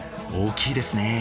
大きいですね。